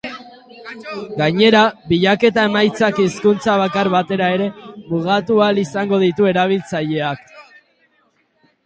Gainera, bilaketa emaitzak hizkuntza bakar batera ere mugatu ahal izango ditu erabiltzaileak.